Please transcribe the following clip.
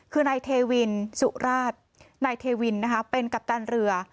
คือนายเทวินสุราชนายเทวินนะคะเป็นกัปตันเรือ